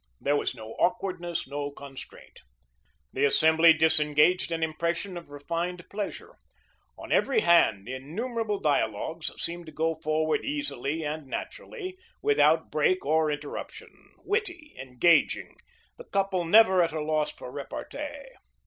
There was no awkwardness, no constraint. The assembly disengaged an impression of refined pleasure. On every hand, innumerable dialogues seemed to go forward easily and naturally, without break or interruption, witty, engaging, the couple never at a loss for repartee.